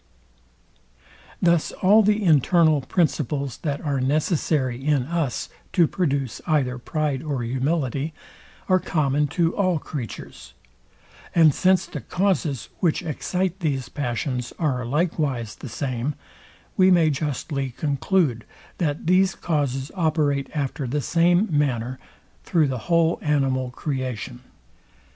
Thus all the internal principles, that are necessary in us to produce either pride or humility, are common to all creatures; and since the causes, which excite these passions, are likewise the same, we may justly conclude, that these causes operate after the same manner through the whole animal creation.